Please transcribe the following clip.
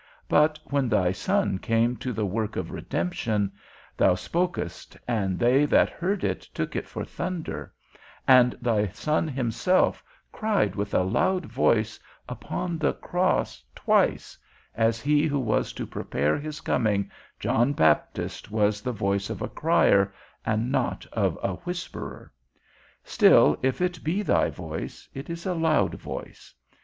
But when thy Son came to the work of redemption, thou spokest, and they that heard it took it for thunder; and thy Son himself cried with a loud voice upon the cross twice, as he who was to prepare his coming, John Baptist, was the voice of a crier, and not of a whisperer. Still, if it be thy voice, it is a loud voice.